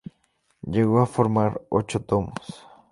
Llegó a formar ocho tomos.